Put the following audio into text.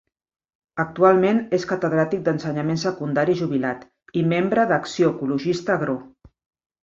Actualment és catedràtic d'ensenyament secundari jubilat i membre d'Acció ecologista-Agró.